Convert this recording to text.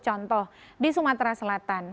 contoh di sumatera selatan